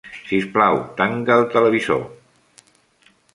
Sisplau, tanca el televisor.